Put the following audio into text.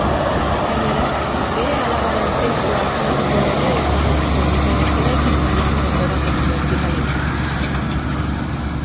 Gainera, bere alabaren zentzu artistikoa ere ezagutuko dute eraikitzen dituen lorategi bertikalekin.